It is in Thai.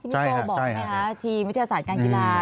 พี่โก้บอกไหมคะทีมวิทยาศาสตร์การกีฬา